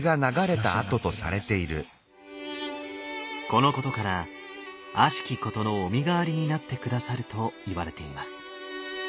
このことから悪しきことのお身代わりになって下さるといわれています。